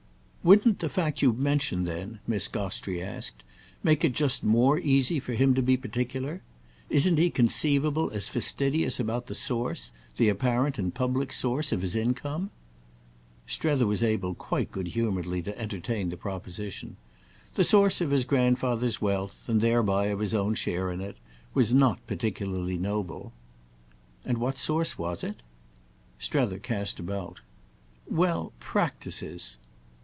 "Wouldn't the fact you mention then," Miss Gostrey asked, "make it just more easy for him to be particular? Isn't he conceivable as fastidious about the source—the apparent and public source—of his income?" Strether was able quite good humouredly to entertain the proposition. "The source of his grandfather's wealth—and thereby of his own share in it—was not particularly noble." "And what source was it?" Strether cast about. "Well—practices."